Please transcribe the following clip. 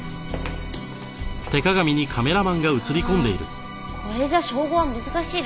ああこれじゃ照合は難しいですね。